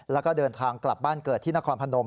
แล้วก็เดินทางกลับบ้านเกิดที่นครพนม